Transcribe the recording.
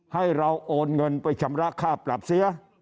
ให้เราโอนเงินไปชำระค่าปรับเสีย